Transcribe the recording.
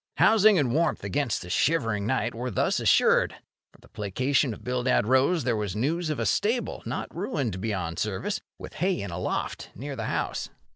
Housing and warmth against the shivering night were thus assured. For the placation of Bildad Rose there was news of a stable, not ruined beyond service, with hay in a loft, near the house.